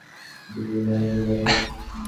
পৃথিবীতে অনেক অদ্ভুদ ব্যাপার আছে।